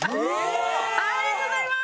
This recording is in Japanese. ありがとうございます！